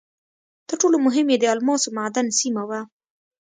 تر ټولو مهم یې د الماسو معدن سیمه وه.